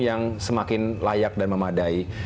yang semakin layak dan memadai